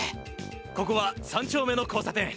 ここは３丁目の交さ点。